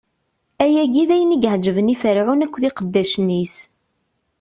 Ayagi d ayen i yeɛeǧben i Ferɛun akked iqeddacen-is.